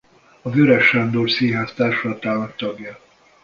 A Weöres Sándor Színház társulatának tagja.